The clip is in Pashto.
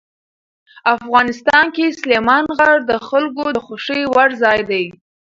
افغانستان کې سلیمان غر د خلکو د خوښې وړ ځای دی.